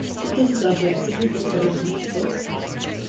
Pat does exaggerate so take what he said with a pinch of salt.